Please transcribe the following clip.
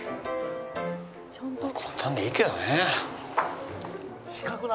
こんなのでいいけどね。